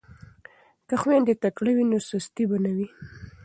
که خویندې تکړه وي نو سستي به نه وي.